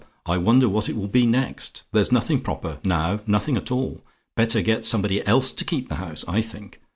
I wonder what it will be next? There's nothing proper, now nothing at all. Better get somebody else to keep the house, I think.